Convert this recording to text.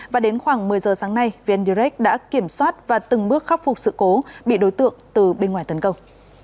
và đến khoảng một mươi giờ sáng nay vn direct đã kiểm soát và từng bước khắc phục sự cố bị đối tượng từ bên ngoài tấn công